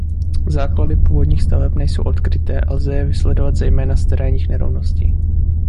Základy původních staveb nejsou odkryté a lze je vysledovat zejména z terénních nerovností.